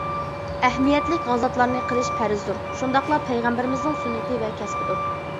ئەھمىيەتلىك غازاتلارنى قىلىش پەرزدۇر، شۇنداقلا پەيغەمبىرىمىزنىڭ سۈننىتى ۋە كەسپىدۇر.